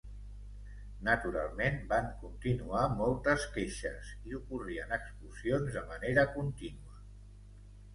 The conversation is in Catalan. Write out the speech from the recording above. Naturalment van continuar moltes queixes i ocorrien explosions de manera contínua.